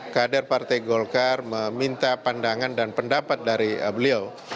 kader partai golkar meminta pandangan dan pendapat dari beliau